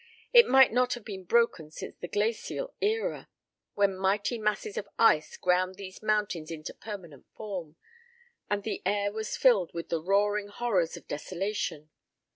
It might not have been broken since the glacial era, when mighty masses of ice ground these mountains into permanent form, and the air was filled with the roaring horrors of desolation.